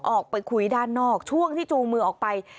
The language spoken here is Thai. ออกไปคุยด้านนอกช่วงที่จูงมือออกไป